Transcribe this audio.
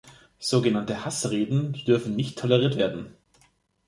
Sogenannte "Hassreden" dürfen nicht toleriert werden.